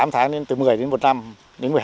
tám tháng đến một mươi đến một năm